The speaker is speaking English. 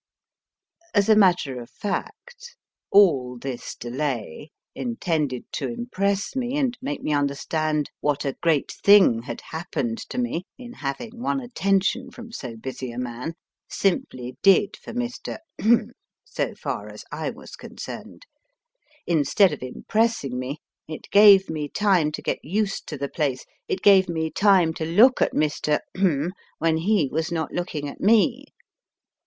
As a matter of fact, all this delay, intended to impress me and make me understand what a great thing had happened to me in having won attention from so busy a man, simply did for Mr. so far as I was concerned. Instead of impressing me, it gave me time to get used to the place, it gave me time to look at Mr. when he was not looking at me.